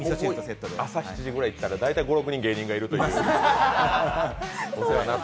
朝７時ぐらいに行ったら大体５６人芸人がいるという。